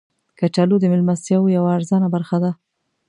کچالو د میلمستیاو یوه ارزانه برخه ده